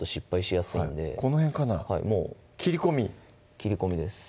切り込みです